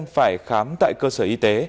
phải khám tại cơ sở y tế